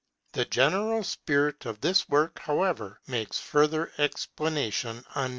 The general spirit of this work, however, makes further explanation unnecessary.